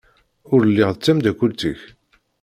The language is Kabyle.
Ur lliɣ d tamdakelt-ik.